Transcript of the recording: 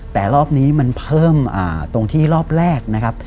แต่รอบนี้มันเพิ่มตรงที่รอบแรกนะครับ